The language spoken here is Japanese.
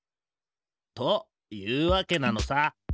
というわけなのさ。